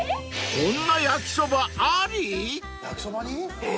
［こんな焼きそばあり？］え？